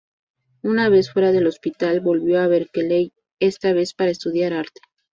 Una vez fuera del hospital volvió a Berkeley, esta vez para estudiar arte.